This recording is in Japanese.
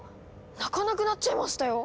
鳴かなくなっちゃいましたよ。